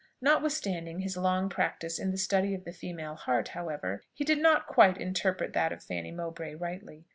Notwithstanding his long practice in the study of the female heart, however, he did not quite interpret that of Fanny Mowbray rightly.